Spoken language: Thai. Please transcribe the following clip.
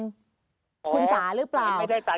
คุณสาหรือเปล่า